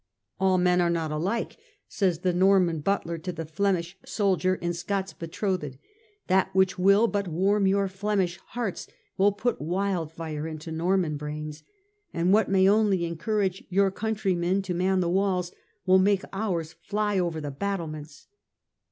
' All men are not alike,' says the Norman butler to the Flemish soldier in Scott's £ Betrothed :'' that which will but warm your Flemish hearts will put wildfire into Norman brains ; and what may only encourage your countrymen to man the walls, will make ours fly over the battlements.